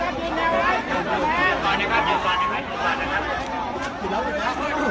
ตอนนี้ก็ไม่มีใครกลับมาเมื่อเวลาอาทิตย์เกิดขึ้น